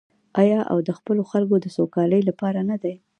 آیا او د خپلو خلکو د سوکالۍ لپاره نه ده؟